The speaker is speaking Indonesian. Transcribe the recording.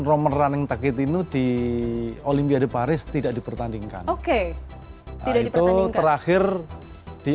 romeran yang takut ini di olympiade paris tidak dipertandingkan oke itu terakhir di